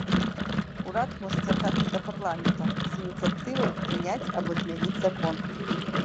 Урад можа звяртацца да парламента з ініцыятывай прыняць або змяніць закон.